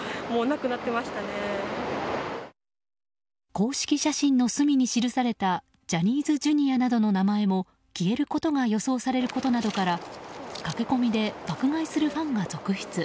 公式写真の隅に記されたジャニーズＪｒ．などの名前も消えることが予想されることなどから駆け込みで爆買いするファンが続出。